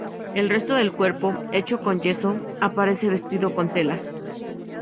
El resto del cuerpo, hecho con yeso, aparece vestido con telas.